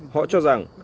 họ cho rằng